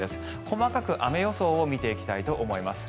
細かく雨予想を見ていきたいと思います。